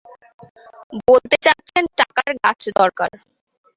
বলতে চাচ্ছেন টাকার গাছ দরকার।